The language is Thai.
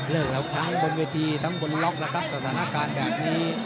เลิกแล้วทั้งบนเวทีทั้งบนล็อคนะครับสถานการณ์แบบนี้